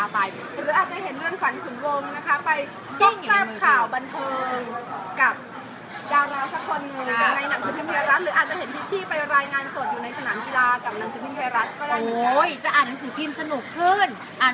เป็นพระยากรรก่ายอยู่ในหนังสือพิมพ์ให้รัฐ